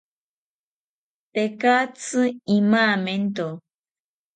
Tekatzi imamento